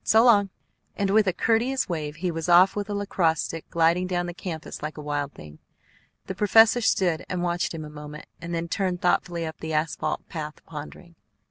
So long!" And with a courteous wave he was off with a lacrosse stick, gliding down the campus like a wild thing. The professor stood and watched him a moment, and then turned thoughtfully up the asphalt path, pondering.